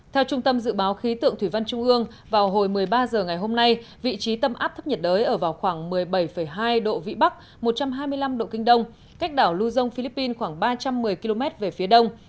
theo trung tâm dự báo khí tượng thủy văn trung ương vào hồi một mươi ba h ngày hôm nay vị trí tâm áp thấp nhiệt đới ở vào khoảng một mươi bảy hai độ vĩ bắc một trăm hai mươi năm độ kinh đông cách đảo lưu dông philippines khoảng ba trăm một mươi km về phía đông